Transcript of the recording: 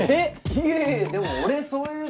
いやいやでも俺そういうの。